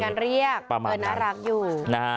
เป็นการเรียกเหมือนน่ารักอยู่